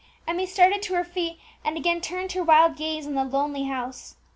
Emmie started to her feet, and again turned her wild gaze on the lonely house.